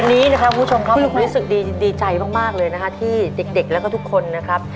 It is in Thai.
วันนี้นะครับคุณผู้ชมครับลุงรู้สึกดีใจมากเลยนะฮะที่เด็กแล้วก็ทุกคนนะครับ